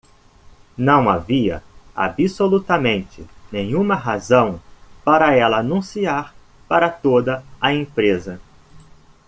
Não havia absolutamente nenhuma razão para ela anunciar para toda a empresa.